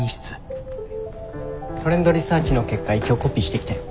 トレンドリサーチの結果一応コピーしてきたよ。